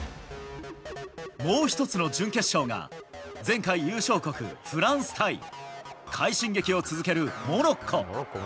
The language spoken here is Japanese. もう１つの準決勝が、前回優勝国、フランス対快進撃を続けるモロッコ。